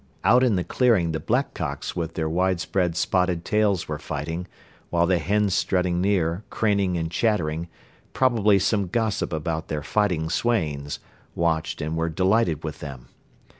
Out in the clearing the blackcocks with their wide spread spotted tails were fighting, while the hens strutting near, craning and chattering, probably some gossip about their fighting swains, watched and were delighted with them.